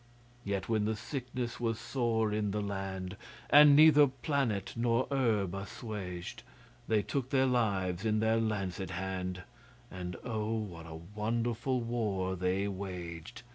Yet when the sickness was sore in the land, And neither planet nor herb assuaged, They took their lives in their lancet hand And, oh, what a wonderful war they waged!